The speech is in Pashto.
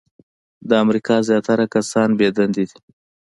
د امریکا زیاتره کسان بې دندې دي .